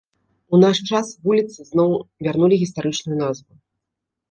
У наш час вуліцы зноў вярнулі гістарычную назву.